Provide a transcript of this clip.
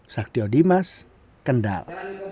saktio dimas kendal